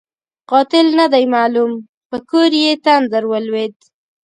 قاتل نه دی معلوم؛ په کور یې تندر ولوېد.